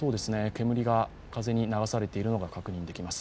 煙が風に流されているのが確認できます。